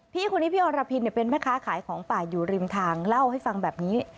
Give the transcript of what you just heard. พี่คนนี้พี่อรพินเป็นแม่ค้าขายของป่าอยู่ริมทางเล่าให้ฟังแบบนี้